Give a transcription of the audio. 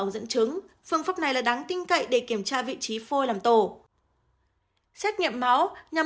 dẫn chứng phương pháp này là đáng tin cậy để kiểm tra vị trí phôi làm tổ xét nghiệm máu nhằm